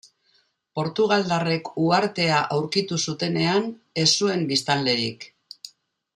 Portugaldarrek uhartea aurkitu zutenean, ez zuen biztanlerik.